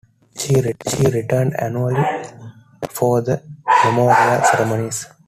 She returned annually for the memorial ceremonies.